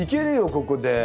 ここで。